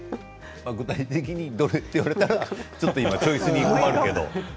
具体的にどれと言われてもチョイスに困りますよね。